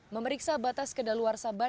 memeriksa batas ke dalawar saban